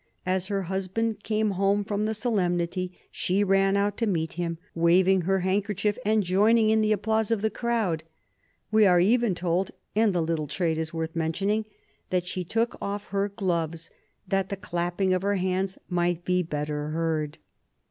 As her husband came home from the solemnity, she ran out to meet him, waving her handkerchief and joining in the applause of the crowd. We are even told — and the little trait is worth mention ing — that she took off her gloves, that the clapping of her hands might be the better heard.